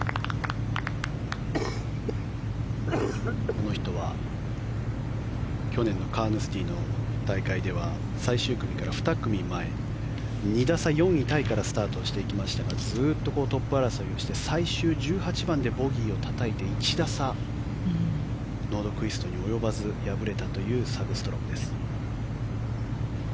この人は去年のカーヌスティの大会では最終組から２組前２打差４位タイからスタートしていきましたがずっとトップ争いをして最終１８番でボギーをたたいて１打差、ノードクイストに及ばず敗れたというサグストロムです。